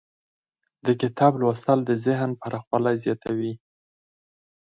د کتاب لوستل د ذهن پراخوالی زیاتوي.